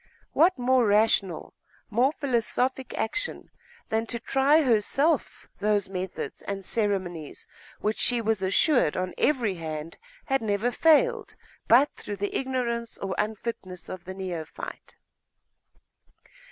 What more rational, more philosophic action than to try herself those methods and ceremonies which she was assured on every hand had never failed but through the ignorance or unfitness of the neophyte?....